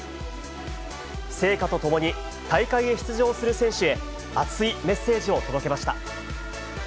聖火とともに、大会へ出場する選手へ、熱いメッセージを届けました。